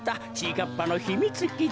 かっぱのひみつきち。